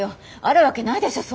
あるわけないでしょ